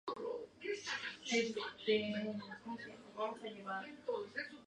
Este fenómeno se conoce como transformación.